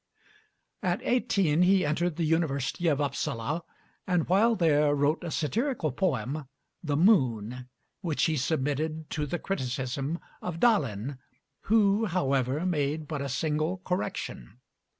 At eighteen he entered the University of Upsala, and while there wrote a satirical poem, "The Moon," which he submitted to the criticism of Dalin, who however made but a single correction.